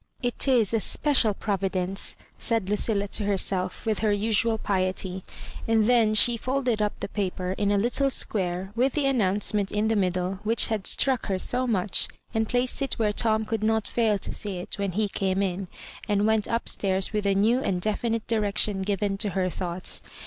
"It is a special provi dence," said Lucilla to herself with her usual piety ; and then she folded up the paper, in a little square with the announcement in the mid dle, which had struck her so much, and placed it where Tom could not fail to see it when he came in, and went up>stairs with a new and definite direction given to her thoughts.